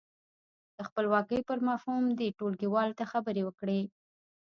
د خپلواکۍ پر مفهوم دې ټولګیوالو ته خبرې وکړي.